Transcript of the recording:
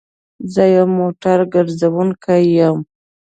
زه يو موټر ګرځونکی يم